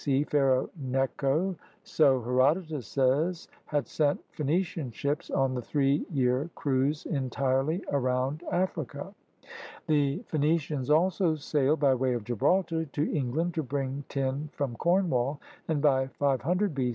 C. Pharaoh Necho, so Herodotus says, had sent Phenician ships on a three year cruise entirely around Africa. The Phenicians also sailed by way of Gibraltar to Eng land to bring tin from Cornwall, and by 500 B.